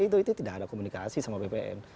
ke empat itu tidak ada komunikasi sama bpn